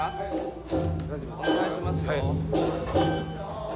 お願いしますよ。